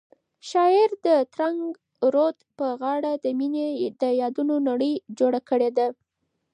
شاعر د ترنګ رود په غاړه د مینې د یادونو نړۍ جوړه کړې ده.